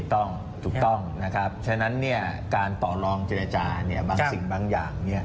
ถูกต้องถูกต้องนะครับฉะนั้นการต่อลองเจรจาบางสิ่งบางอย่าง